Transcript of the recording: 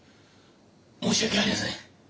申し訳ありやせん。